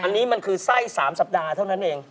อันนี้มันคือไส้๓สัปดาห์เท่านั้นเอง